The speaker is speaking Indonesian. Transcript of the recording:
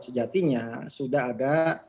sejatinya sudah ada